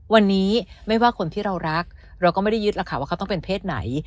วันนี้ไม่ว่าคนที่เรารักเราก็ไม่ได้ยึดหรอกค่ะว่าเขาต้องเป็นเพศไหน